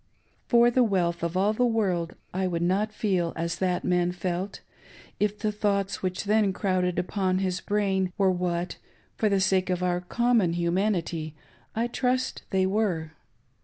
For the wealth of all the world I would not feel as that man felt, if the thoughts which then crowded upon his brain were what, for the sake of our common humanity, I trust they were.